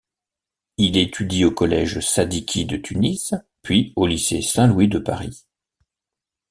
Il étudie au collège Sadiki de Tunis puis au lycée Saint-Louis de Paris.